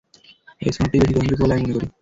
এ সনদটিই বেশি গ্রহণযোগ্য বলে আমি মনে করি।